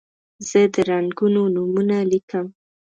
زه د رنګونو نومونه لیکم.